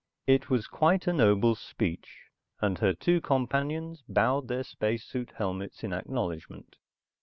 It was quite a noble speech, and her two companions bowed their space suit helmets in acknowledgement.